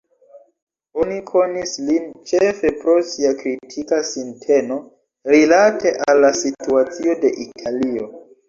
Oni konis lin ĉefe pro sia kritika sinteno rilate al la situacio de Italio.